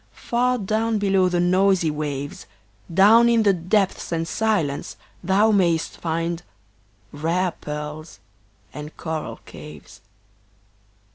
far down below the noisy waves, Down in the depths and silence thou mayst find Rare pearls and coral caves.